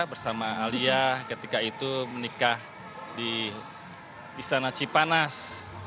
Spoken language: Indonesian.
bersama alia ketika itu menikah di istana cipanas